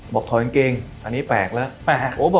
ถอดกางเกงอันนี้แปลกแล้ว